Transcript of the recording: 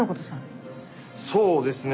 そうですね